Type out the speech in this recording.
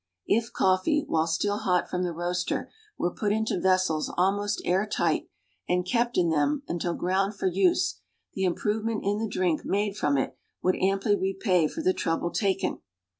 If coffee, while still hot from the roaster, were put into vessels almost air tight, and kept in them until ground for use, the improvement in the drink made from it would amply repay for the trouble taken.